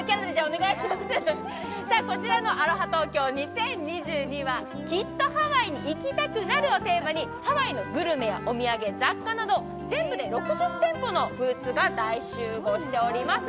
こちらのＡＬＯＨＡＴＯＫＹＯ２０２２は「きっとハワイに行きたくなる」をテーマに、ハワイのグルメやお土産、雑貨など全部で６０店舗のグッズが大集合しております。